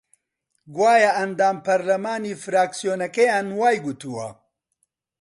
گوایە ئەندام پەرلەمانی فراکسیۆنەکەیان وای گوتووە